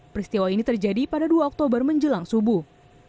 peristiwa ini terjadi pada dua oktober menjelang subuh